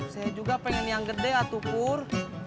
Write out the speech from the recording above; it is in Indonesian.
saya juga pengen yang gede atu pur